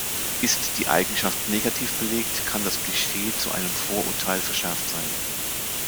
Ist die Eigenschaft negativ belegt, kann das Klischee zu einem Vorurteil verschärft sein.